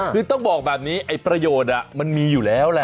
คือต้องบอกแบบนี้ไอ้ประโยชน์มันมีอยู่แล้วแหละ